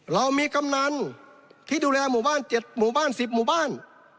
เรามีกำนันที่ดูแลหมู่บ้าน๗หมู่บ้าน๑๐หมู่บ้าน